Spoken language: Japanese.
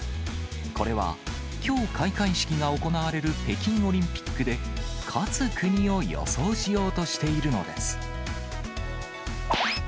これは、きょう開会式が行われる北京オリンピックで、勝つ国を予想しようとしているのです。